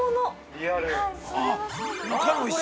◆リアル。